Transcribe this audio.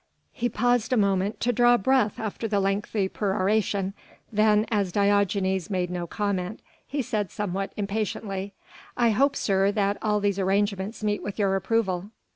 He paused a moment to draw breath after the lengthy peroration, then, as Diogenes made no comment, he said somewhat impatiently: "I hope, sir, that all these arrangements meet with your approval!"